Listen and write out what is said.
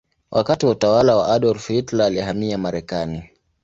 Wakati wa utawala wa Adolf Hitler alihamia Marekani.